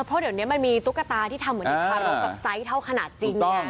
เพราะเดี๋ยวนี้มันมีตุ๊กตาที่ทำเหมือนเด็กทารกกับไซส์เท่าขนาดจริง